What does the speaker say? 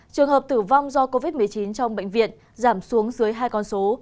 trường hợp tử vong do covid một mươi chín trong bệnh viện giảm xuống dưới hai con số